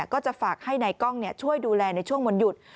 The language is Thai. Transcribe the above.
ก็จะฝากให้นายกล้องช่วยดูแลในช่วงวันหยุด